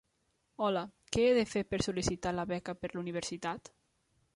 Hola, què he de fer per sol·licitar la beca per la universitat?